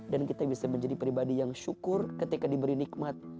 dan kita bisa menjadi pribadi yang syukur ketika diberi nikmat